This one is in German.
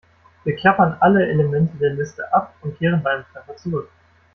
Wir klappern alle Elemente der Liste ab und kehren bei einem Treffer zurück.